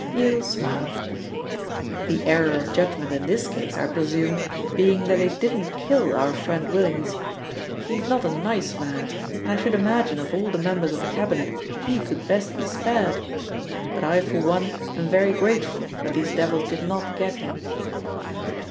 Yale smiled. "The error of judgment in this case, I presume, being that they didn't kill our friend Willings he is not a nice man, and I should imagine of all the members of the Cabinet he could best be spared. But I for one am very grateful that these devils did not get him."